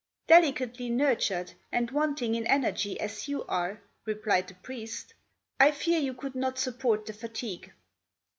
"Delicately nurtured and wanting in energy as you are," replied the priest, "I fear you could not support the fatigue."